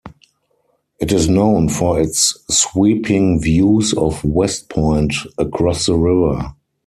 It is known for its sweeping views of West Point across the river.